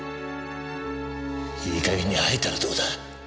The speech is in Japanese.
いい加減に吐いたらどうだ？